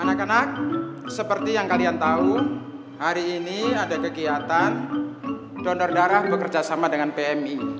anak anak seperti yang kalian tahu hari ini ada kegiatan donor darah bekerjasama dengan pmi